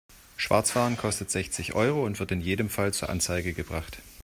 Schwarzfahren kostet sechzig Euro und wird in jedem Fall zur Anzeige gebracht.